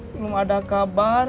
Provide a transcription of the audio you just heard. belum ada kabar